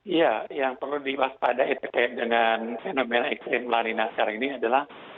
iya yang perlu diwaspadai terkait dengan fenomena ekstrim lanina sekarang ini adalah